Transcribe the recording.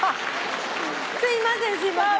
すいませんすいません。